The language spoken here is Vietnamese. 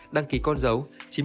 đăng ký con dấu